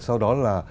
sau đó là